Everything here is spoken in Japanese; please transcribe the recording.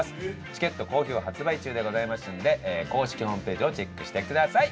チケット好評発売中でございますので公式ホームページをチェックしてください。